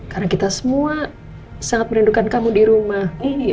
karena kita semua sangat merindukan kamu di rumah